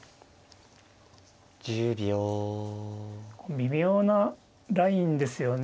微妙なラインですよね。